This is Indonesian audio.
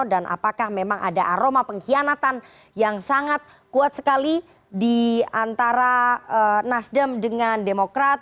dan apakah memang ada aroma pengkhianatan yang sangat kuat sekali di antara nasdem dengan demokrat